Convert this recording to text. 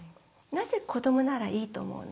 なぜ子どもならいいと思うのか。